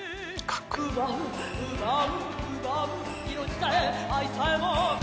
「奪う奪う奪う命さえ愛さえも」